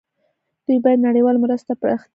دوی باید نړیوالو مرستو ته پراختیا ورکړي.